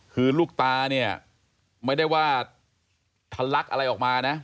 คือลูกตาเนี่ยไม่ได้ว่าทะลักอะไรออกมานะ